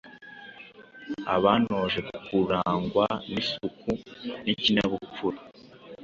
abantoje kurangwa n’isuku n’ikinyabupfura,